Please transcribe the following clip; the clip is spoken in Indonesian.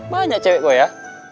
banyak cewek gue ya